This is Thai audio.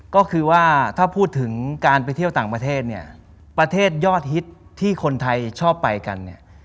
ก็คือว่าถ้าพูดถึงการไปเที่ยวต่างประเทศเนี่ยประเทศยอดฮิตที่คนไทยชอบไปกันเนี่ย